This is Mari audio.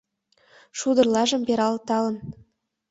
Шулдырлажым пералталын